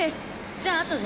じゃああとで。